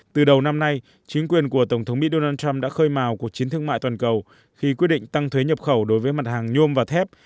từ đầu năm nay chính quyền của tổng thống mỹ donald trump đã khơi màu cuộc chiến thương mại toàn cầu khi quyết định tăng thuế nhập khẩu đối với mặt hàng nhôm và thép